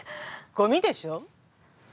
ゴミでしょ？